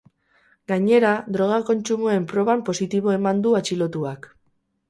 Gainera, droga kontsumoen proban positibo eman du atxilotuak.